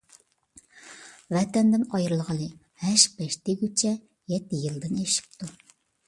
ۋەتەندىن ئايرىلغىلى ھەش-پەش دېگۈچە يەتتە يىلدىن ئېشىپتۇ.